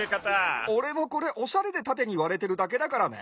おれもこれおしゃれでたてにわれてるだけだからね。